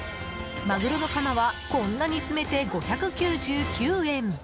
マグロのカマはこんなに詰めて５９９円。